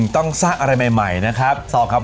ต้องสร้างอะไรใหม่นะครับ